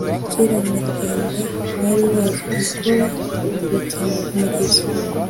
kera abanyarwanda bari bazi gukora urutindo ku mugezi